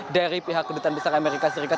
dari pihak kedutaan besar amerika serikat